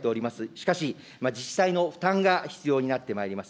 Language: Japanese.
しかし、自治体の負担が必要になってまいります。